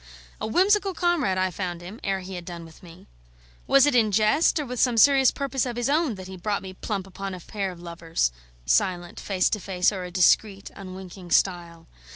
A whimsical comrade I found him, ere he had done with me. Was it in jest, or with some serious purpose of his own, that he brought me plump upon a pair of lovers, silent, face to face o'er a discreet unwinking stile?